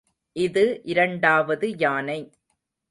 இது இரண்டாவது யானை.